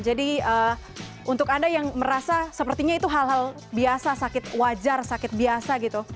jadi untuk anda yang merasa sepertinya itu hal hal biasa sakit wajar sakit biasa gitu